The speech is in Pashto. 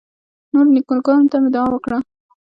نورو نیکه ګانو ته مې دعا وکړه.